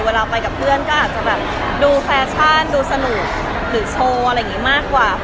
เวลากากเพื่อนก็อาจดูแฟชั่นดูสนุกหรือโชว์อะไรงี้มากกว่า